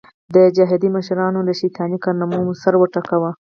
د جهادي مشرانو له شیطاني کارنامو سر وټکاوه.